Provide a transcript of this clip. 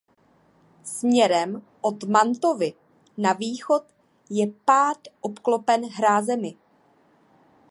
Směrem od Mantovy na východ je Pád obklopen hrázemi.